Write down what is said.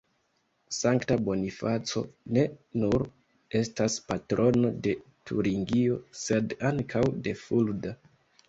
Sankta Bonifaco ne nur estas patrono de Turingio sed ankaŭ de Fulda.